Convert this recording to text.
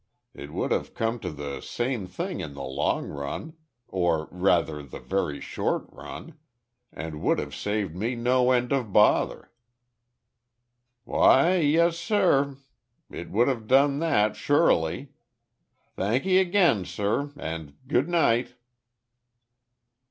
It would have come to the same thing in the long run or rather the very short run and would have saved me no end of bother." "Why, yes, sur, it would have done that sure ly. Thank'ee again, sur, and good night."